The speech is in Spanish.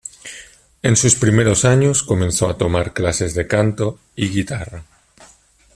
En sus primeros años comenzó a tomar clases de canto y guitarra.